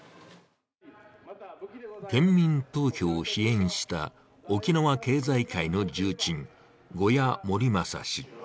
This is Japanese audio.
県民投票を支援した沖縄経済界の重鎮・呉屋守將氏。